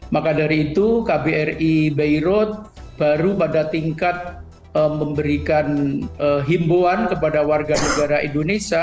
maka dari itu kbri beirut baru pada tingkat memberikan himbuan kepada warga negara indonesia